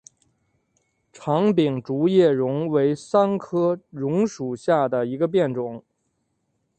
长柄竹叶榕为桑科榕属下的一个变种。